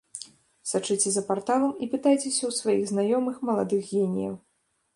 Сачыце за парталам і пытайцеся ў сваіх знаёмых маладых геніяў.